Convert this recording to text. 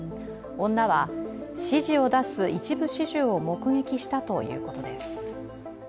女は指示を出す一部始終を目撃したということです。